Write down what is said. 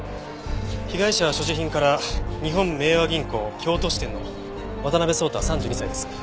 被害者は所持品から日本明和銀行京都支店の渡辺蒼汰３２歳です。